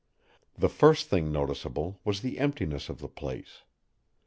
The first thing noticeable was the emptiness of the place.